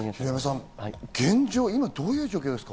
現状、どういう状況ですか？